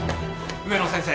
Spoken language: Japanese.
植野先生。